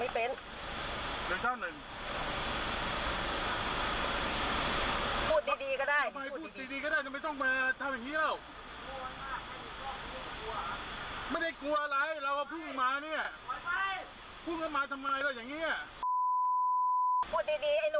พูดดีก็ได้พูดดีก็ได้